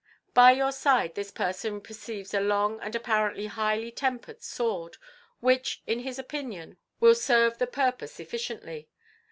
By your side this person perceives a long and apparently highly tempered sword, which, in his opinion, will serve the purpose efficiently.